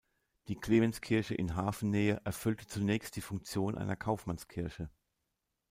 Die Clemenskirche in Hafennähe erfüllte zunächst die Funktion einer Kaufmannskirche.